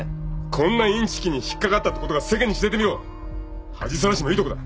こんないんちきに引っ掛かったってことが世間に知れてみろ恥さらしもいいとこだ。